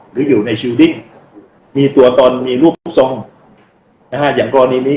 หรืออยู่ในชีวิตมีตัวตนมีรูปทุกทรงนะฮะอย่างกรณีนี้